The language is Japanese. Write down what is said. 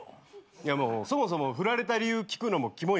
いやそもそも振られた理由聞くのもキモいし。